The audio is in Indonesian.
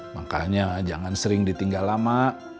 makanya jangan sering ditinggal lama